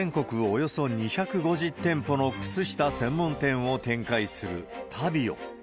およそ２５０店舗の靴下専門店を展開するタビオ。